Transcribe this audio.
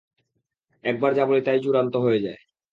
একবার যা বলি তাই চূড়ান্ত হয়ে যায়।